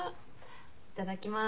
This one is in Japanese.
いただきます。